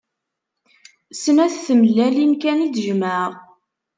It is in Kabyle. Snat tmellalin kan i d-jemɛeɣ.